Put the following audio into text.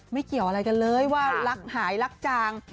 เกี่ยวอะไรกันเลยว่ารักหายรักจาง